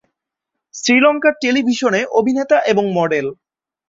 শ্রীলঙ্কার টেলিভিশনে অভিনেতা এবং মডেল।